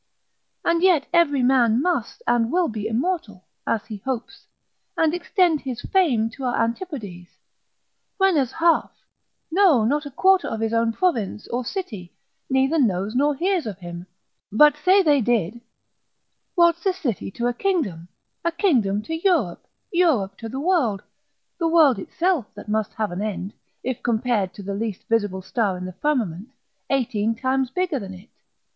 And yet every man must and will be immortal, as he hopes, and extend his fame to our antipodes, when as half, no not a quarter of his own province or city, neither knows nor hears of him—but say they did, what's a city to a kingdom, a kingdom to Europe, Europe to the world, the world itself that must have an end, if compared to the least visible star in the firmament, eighteen times bigger than it?